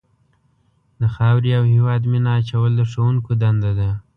د خاورې او هېواد مینه اچول د ښوونکو دنده ده.